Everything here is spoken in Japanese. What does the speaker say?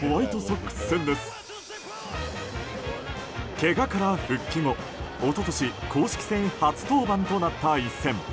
けがから復帰後、一昨年公式戦初登板となった一戦。